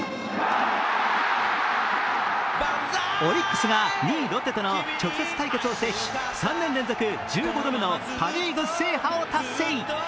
オリックスが２位ロッテとの直接対決を制し３年連続１５度目のパ・リーグ制覇を達成！